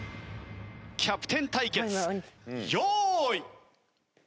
キャプテン対決用意。